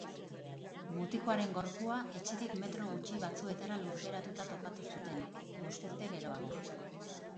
Mutikoaren gorpua etxetik metro gutxi batzuetara lurperatuta topatu zuten, bost urte geroago.